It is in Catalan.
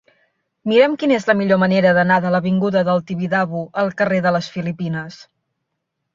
Mira'm quina és la millor manera d'anar de l'avinguda del Tibidabo al carrer de les Filipines.